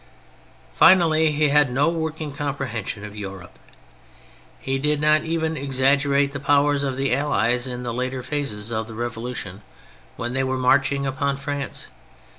Finally, he had no working comprehension ^of Europe. He did not even exaggerate the powers of the allies in the later phases of the Revolution when they were marching upon France.